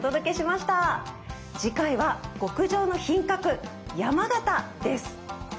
次回は「極上の品格山形」です。